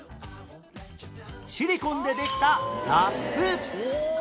シリコンでできたラップ